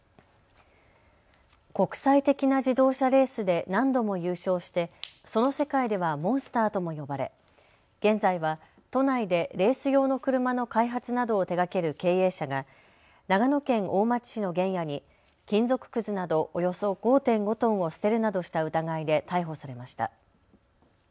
国際的な自動車レースで何度も優勝して、その世界ではモンスターとも呼ばれ現在は都内でレース用の車の開発などを手がける経営者が長野県大町市の原野に金属くずなどおよそ５．５トンを捨てるなどした疑いで逮捕されました。